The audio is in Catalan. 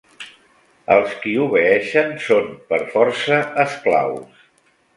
Els qui obeeixen són per força esclaus.